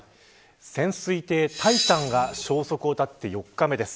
潜水艇タイタンが消息を絶って４日目です。